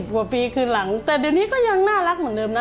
กว่าปีคืนหลังแต่เดี๋ยวนี้ก็ยังน่ารักเหมือนเดิมนะ